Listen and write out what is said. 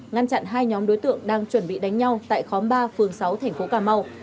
ngăn chặn hai nhóm đối tượng đang chuẩn bị đánh nhau tại khóm ba phường sáu thành phố cà mau